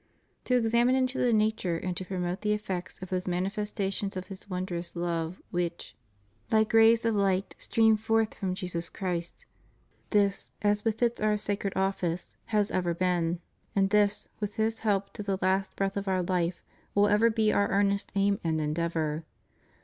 To examine into the nature and to promote the effects of those manifestations of His wondrous love which, like rays of light, stream forth from Jesus Christ — this, as befits Our sacred office, has ever been, and this, with His help to the last breath of Our life, will ever be Our earnest aim and endeavor.